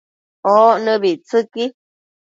oc nëbictsëqui